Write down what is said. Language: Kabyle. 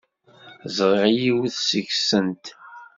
Ẓriɣ yiwet seg-sent.